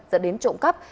dẫn đến trộm cắp